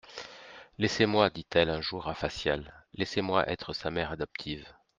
Laissez-moi, dit-elle un jour à Facial, laissez-moi être sa mère adoptive.